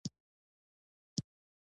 ایا زه درمل بدلولی شم؟